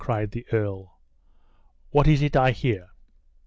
cried the earl; "what is it I hear?